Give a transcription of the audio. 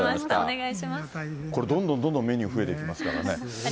どんどんどんどんメニュー増えていきますからね。